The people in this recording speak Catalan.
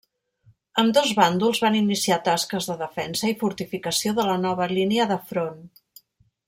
Ambdós bàndols van iniciar tasques de defensa i fortificació de la nova línia de front.